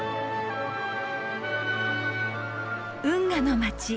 運河の街